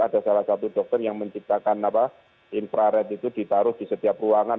ada salah satu dokter yang menciptakan infrared itu ditaruh di setiap ruangan